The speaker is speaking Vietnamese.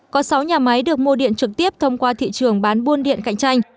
có sáu nhà máy được mua điện trực tiếp thông qua thị trường bán buôn điện cạnh tranh